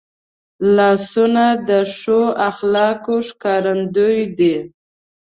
لاسونه د ښو اخلاقو ښکارندوی دي